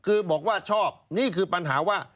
คือบอกว่าชอบนี่คือปัญหาว่า